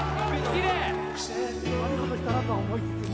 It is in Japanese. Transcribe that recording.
悪い事したなとは思いつつも。